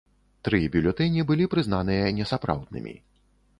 Тры бюлетэні былі прызнаныя несапраўднымі.